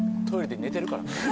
トイレで寝てるからね。